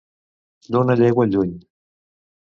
D'una llegua lluny.